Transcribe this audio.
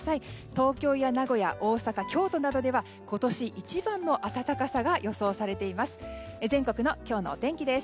東京や名古屋大阪、京都などでは今年一番の暖かさが予想されています。